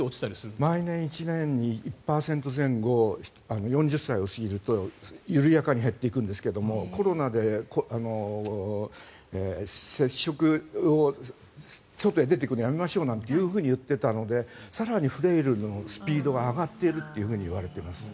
毎年１年に１％前後４０歳を過ぎると緩やかに減っていくんですがコロナで接触を外へ出てくのをやめましょうなんて言っていたので更にフレイルのスピードが上がっているといわれています。